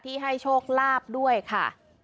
ที่ให้โชคลาบด้วยค่ะ